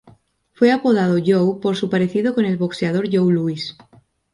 Fue apodado "Joe" por su parecido con el boxeador Joe Louis.